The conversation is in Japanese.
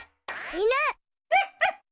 いぬ。